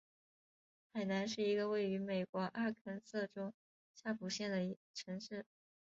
海兰是一个位于美国阿肯色州夏普县的城市。